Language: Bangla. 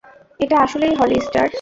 এটা আসলেই হলি ইস্টার!